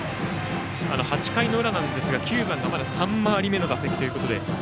８回の裏ですが９番がまだ３回り目の打席ということで。